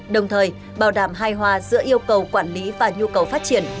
đồng thời bảo đảm hài hòa giữa yêu cầu quản lý và nhu cầu phát triển